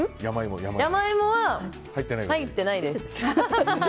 山芋は入ってないです。